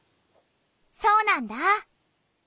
そうなんだ。